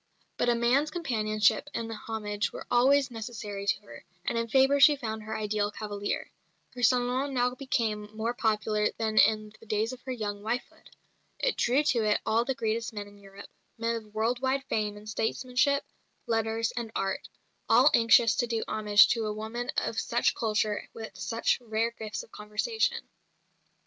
But a man's companionship and homage were always necessary to her, and in Fabre she found her ideal cavalier. Her salon now became more popular even than in the days of her young wifehood. It drew to it all the greatest men in Europe, men of world wide fame in statesmanship, letters, and art, all anxious to do homage to a woman of such culture and with such rare gifts of conversation.